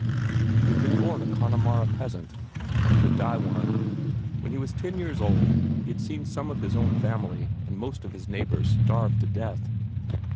He had been born a Connemara peasant, and he would die one. When he was ten years old he had seen some of his own family, and most of his neighbors, starve to death.